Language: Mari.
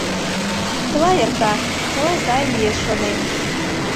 Чыла эрта, чыла сай лиеш, шонем.